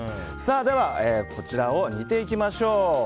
では、こちらを煮ていきます。